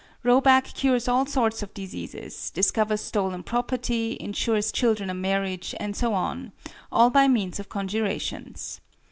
Roback cures all sorts of diseases, discovers stolen property, insures children a marriage, and so on, all by means of "conjurations."